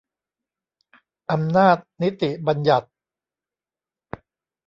อำนาจนิติบัญญัติ